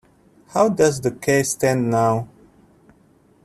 How does the case stand now?